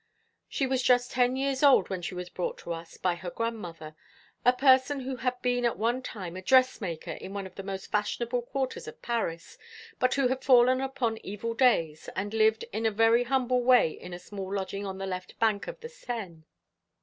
"She was just ten years old when she was brought to us by her grandmother, a person who had been at one time a dressmaker in one of the most fashionable quarters of Paris, but who had fallen upon evil days, and lived in a very humble way in a small lodging on the left bank of the Seine.